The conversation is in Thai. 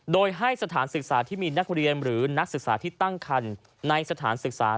โดยให้สถานศึกษาที่มีนักเรียนหรือนักศึกษาที่ตั้งคันในสถานศึกษา